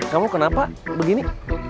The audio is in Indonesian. kamu kenapa begini